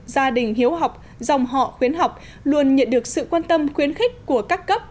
gia đình hiếu học dòng họ khuyến học luôn nhận được sự quan tâm khuyến khích của các cấp